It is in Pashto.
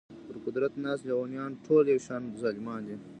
پر قدرت ناست لېونیان ټول یو شان ظالمان دي.